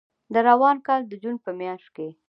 د روان کال د جون په میاشت کې